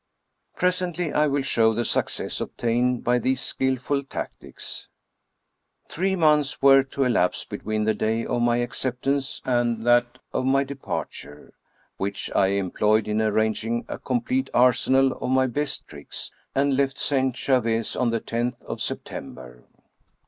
Presently I will show the success obtained by these skill ful tactics. Three months were to elapse between the day of my acceptance and that of my departure, which I employed in arranging a complete arsenal of my best tricks, and left St. Gervais on the loth of September.